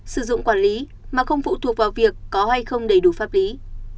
sử dụng quản lý mà không phụ thuộc vào việc có hay không đầy đủ pháp lý